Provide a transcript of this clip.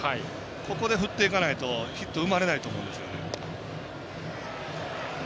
ここで振っていかないとヒット生まれないと思うんですよ。